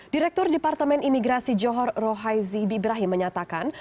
direktur departemen imigrasi johor rohai zee bibrahi menyatakan